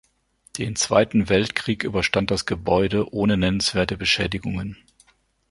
Den Zweiten Weltkrieg überstand das Gebäude ohne nennenswerte Beschädigungen.